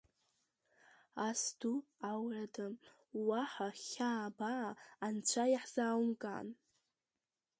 Ас ду аурада уаҳа хьаа-баа анцәа иаҳзааумган!